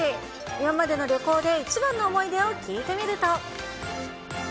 今までの旅行で一番の思い出を聞いてみると。